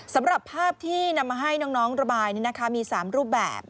สำหรับภาพที่นำมาให้น้องระบายมี๓รูปแบบ